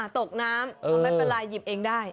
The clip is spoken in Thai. ตกน้ำเอาไปประลายหยิบเองได้